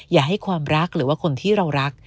อย่าให้ความรักหรือว่าคนที่เรารัก